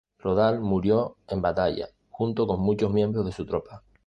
Rodal murió en batalla, junto con muchos miembros de su tropa.